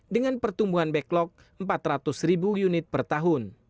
dengan pertumbuhan backlog empat ratus ribu unit per tahun